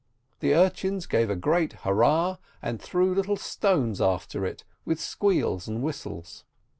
The urchins gave a great hurrah, and threw little stones after it, with squeals and whistles.